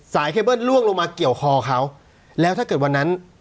เคเบิ้ลล่วงลงมาเกี่ยวคอเขาแล้วถ้าเกิดวันนั้น